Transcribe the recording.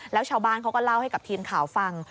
แล้วชาวบ้านเขาก็เล่าให้กับทีมข่าวฟัง